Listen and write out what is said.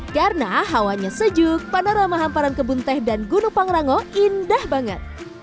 karena hawanya sejuk panorama hamparan kebun teh dan gunung pangrango indah banget